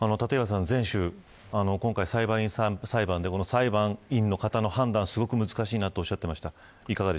今回、裁判員裁判で裁判員の方の判断、すごく難しいとおっしゃっていました。